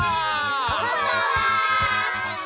こんばんは！